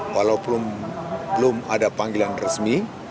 walaupun belum ada panggilan resmi